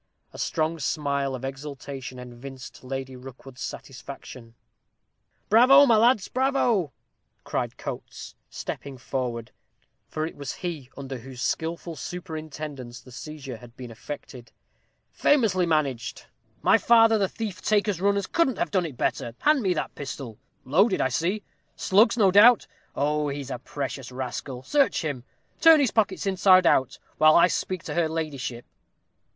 A strong smile of exultation evinced Lady Rookwood's satisfaction. "Bravo, my lads, bravo!" cried Coates, stepping forward, for he it was under whose skilful superintendence the seizure had been effected: "famously managed; my father the thief taker's runners couldn't have done it better hand me that pistol loaded, I see slugs, no doubt oh, he's a precious rascal search him turn his pockets inside out, while I speak to her ladyship."